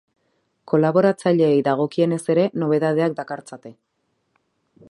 Kolaboratzaileei dagokienez ere, nobedadeak dakartzate.